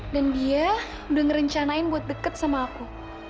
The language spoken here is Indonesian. dan dia udah ngerencanain buat deket sama aku